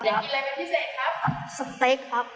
อยากกินอะไรเป็นพิเศษครับ